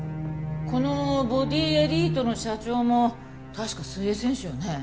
このボディエリートの社長も確か水泳選手よね？